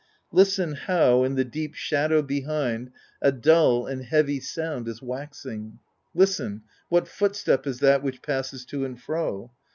Listen, how, in the deep shadow behind, a dull and heavy sound is waxing I Listen, what foot step is that which passes to and fro